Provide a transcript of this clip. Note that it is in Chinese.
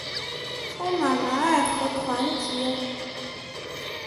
充满了爱和团结